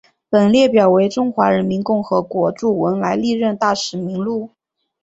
本列表为中华人民共和国驻文莱历任大使名录。